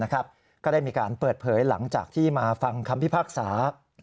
ก็ได้มีการเปิดเผยหลังจากที่มาฟังคำพิพากษา